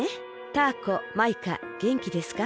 「タアコマイカげんきですか？